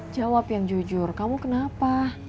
jawab yang jujur kamu kenapa